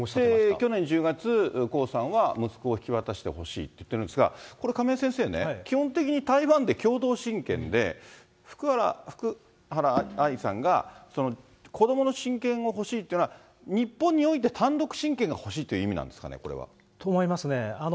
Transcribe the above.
去年８月、江さんは息子を引き渡してほしいって言ってるんですが、これ、亀井先生ね、基本的に台湾で共同親権で、福原愛さんが子どもの親権を欲しいっていうのは、日本において単独親権が欲しいという意味なんですかね、これは。と思いますね。